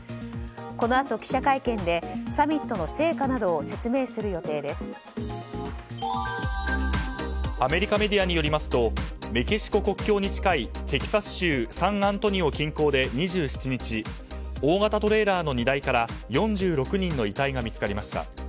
このあと記者会見でサミットの成果などをアメリカメディアによりますとメキシコ国境に近いテキサス州サンアントニオ近郊で２７日大型トレーラーの荷台から４６人の遺体が見つかりました。